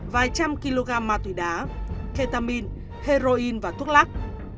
vài trăm kg ma túy đá ketamine heroin và thuốc lắc